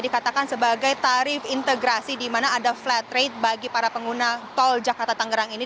dikatakan sebagai tarif integrasi di mana ada flat rate bagi para pengguna tol jakarta tangerang ini